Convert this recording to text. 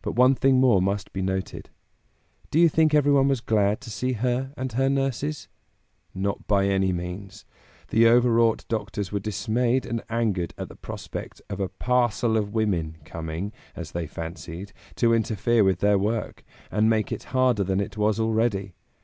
But one thing more must be noted. Do you think everyone was glad to see her and her nurses? Not by any means! The overwrought doctors were dismayed and angered at the prospect of a "parcel of women" coming as they fancied to interfere with their work, and make it harder than it was already.